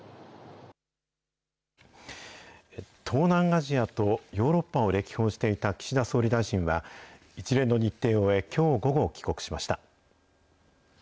東南アジアとヨーロッパを歴訪していた岸田総理大臣は、一連の日程を終え、きょう午後、帰国しました。